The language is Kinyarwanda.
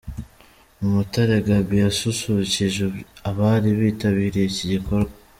Umutare Gabby yasusurukije abari bitabiriye iki gikorwa.